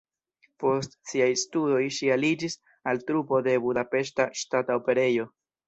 Post siaj studoj ŝi aliĝis al trupo de Budapeŝta Ŝtata Operejo.